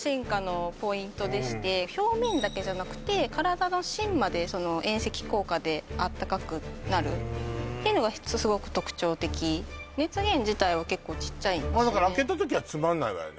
表面だけじゃなくて体の芯まで遠赤効果であったかくなるっていうのがスゴく特徴的熱源自体は結構ちっちゃいんですよね